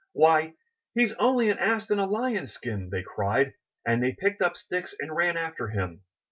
'*Why! he's only an ass in a. Lion's skin!'* they cried, and they picked up sticks and ran after him.